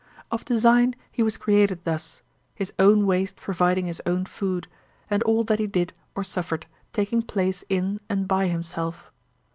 Of design he was created thus, his own waste providing his own food, and all that he did or suffered taking place in and by himself.